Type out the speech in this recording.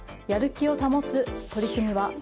やる気を保つ取り組みは。